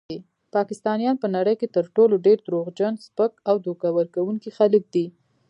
پاکستانیان په نړۍ کې تر ټولو ډیر دروغجن، سپک او دوکه ورکونکي خلک دي.